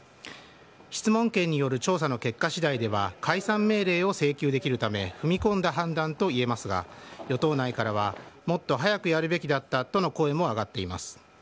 質問権による調査の結果しだいでは解散命令を請求できるため、踏み込んだ判断と言えますが、与党内からはもっと早くやるべきだったとの声も上がっています。